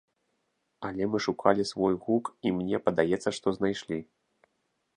Але мы шукалі свой гук і мне падаецца, што знайшлі.